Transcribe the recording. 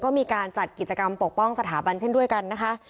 ก็มีการจัดกิจกรรมปกป้องสถาบันเช่นด้วยกันนะคะ